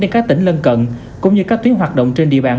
với các tỉnh lân cận cũng như các tuyến hoạt động trên địa bàn